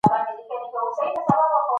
ځان باندې باور لرل ډیر مهم دی.